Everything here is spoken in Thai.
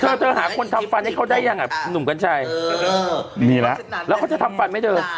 เธอเธอหาคนทำฟันให้เขาได้ยังอ่ะหนุ่มกัญชัยมีแล้วแล้วเขาจะทำฟันไหมเธอ